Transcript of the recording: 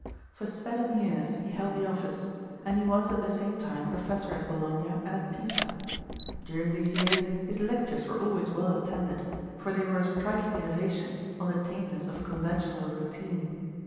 For seven years he held the office, and he was at the same time professor at Bologna and at Pisa. During these years his lectures were always well attended, for they were a striking innovation on the tameness of conventional routine.